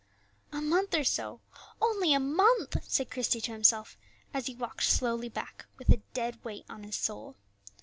"A month or so! only a month!" said Christie to himself, as he walked slowly back, with a dead weight on his soul.